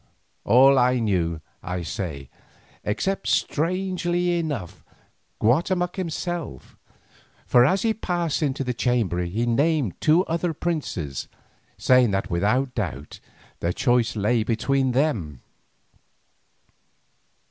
All knew it, I say, except, strangely enough, Guatemoc himself, for as we passed into the council he named two other princes, saying that without doubt the choice lay between them.